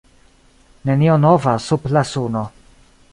Nenio nova sub la suno.